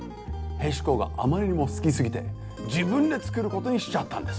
へしこがあまりにも好きすぎて自分で作ることにしちゃったんです。